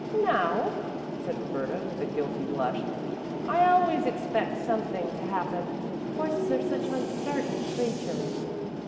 "No," said Roberta, with a guilty blush. "I always expect something to happen. Horses are such uncertain creatures."